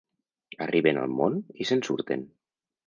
Arriben al món i se'n surten.